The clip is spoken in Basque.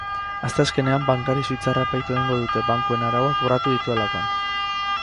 Asteazkenean, bankari suitzarra epaitu egingo dute, bankuen arauak urrati dituelakoan.